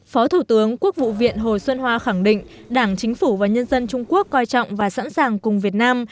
phó thủ tướng quốc vụ viện hồ xuân hoa khẳng định đảng chính phủ và nhân dân trung quốc coi trọng và sẵn sàng cùng việt nam